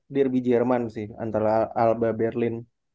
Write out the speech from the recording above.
dearby jerman sih antara alba berlin